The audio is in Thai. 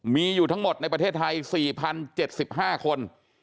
มีอยู่ทั้งหมดในประเทศไทย๔๐๗๕คน